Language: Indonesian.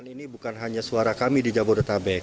ini bukan hanya suara kami di jabodetabek